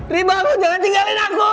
riri bangun jangan di tinggalin aku